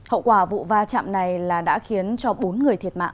hậu quả vụ va chạm này là đã khiến cho bốn người thiệt mạng